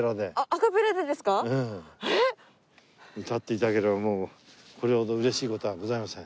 歌って頂ければもうこれほど嬉しい事はございません。